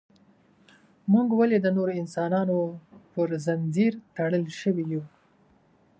موږ ولې د نورو انسانانو پر زنځیر تړل شوي یو.